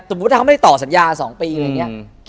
สมมุติว่าถ้าเขาไม่ได้ต่อสัญญา๒ปีอย่างนี้